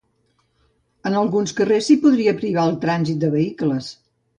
En alguns carrers, s’hi podria privar el trànsit de vehicles.